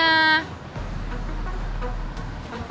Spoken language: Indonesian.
tunggu tunggu tunggu